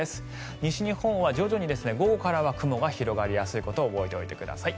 西日本は徐々に午後からは雲が広がりやすいことを覚えておいてください。